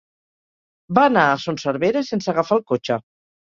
Va anar a Son Servera sense agafar el cotxe.